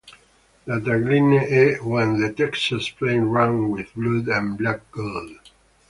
La tagline è: "When the Texas Plains Ran With Blood and Black Gold!".